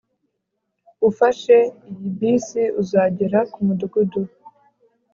ufashe iyi bisi, uzagera kumudugudu